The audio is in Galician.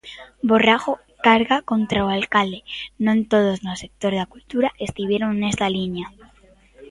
Borrajo carga contra o alcalde Non todos no sector da cultura estiveron nesa liña.